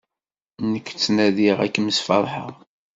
Nekk ttnadiɣ ad kem-sferḥeɣ.